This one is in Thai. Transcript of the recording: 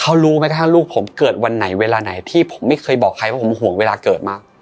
เขารู้ไหมกระทั่งลูกผมเกิดวันไหนเวลาไหนที่ผมไม่เคยบอกใครว่าผมห่วงเวลาเกิดมาก